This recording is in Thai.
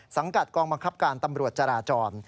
สังกัดกองบังคับการตำรวจจราจร